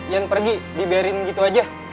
yan pergi diberiin gitu aja